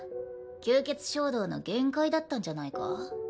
吸血衝動の限界だったんじゃないか？